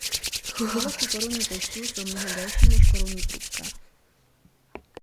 Laloky korunní lístků jsou mnohem delší než korunní trubka.